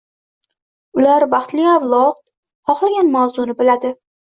Ular baxtli avlod, xohlagan mavzuni biladi.